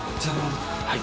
はい。